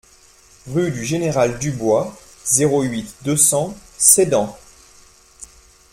Rue du Général Dubois, zéro huit, deux cents Sedan